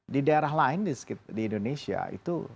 di daerah lain di indonesia itu